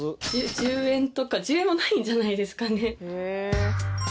１０円もないんじゃないですかね。